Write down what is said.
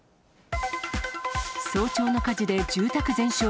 早朝の火事で住宅全焼。